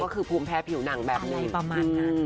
ก็คือภูมิแพ้ผิวหนังแบบนี้ประมาณนั้น